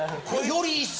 より一層？